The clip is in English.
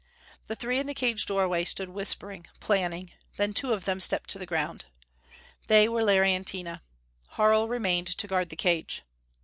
The three in the cage doorway stood whispering, planning. Then two of them stepped to the ground. They were Larry and Tina; Harl remained to guard the cage.